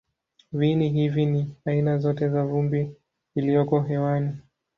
Viini hivi ni aina zote za vumbi iliyoko hewani.